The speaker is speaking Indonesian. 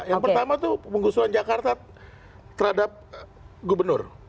yang pertama tuh pengusuhan jakarta terhadap gubernur